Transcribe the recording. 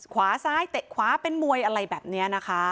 ขวาซ้ายเต็กขวาเป็นมวยอะไรแบบเนี้ย